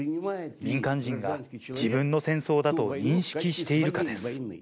民間人が自分の戦争だと認識しているかです。